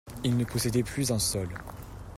Il ne possédait plus un sol.